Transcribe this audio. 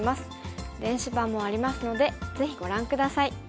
電子版もありますのでぜひご覧下さい。